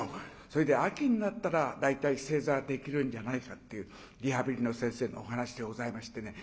それで秋になったら大体正座できるんじゃないかっていうリハビリの先生のお話でございましてね